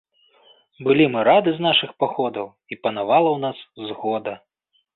Былі мы рады з нашых паходаў, і панавала ў нас згода.